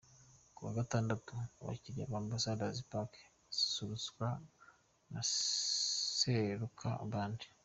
Ku wa Gatandatu: Abakiliya ba Ambassador's Park basusurutswa na Seruka band.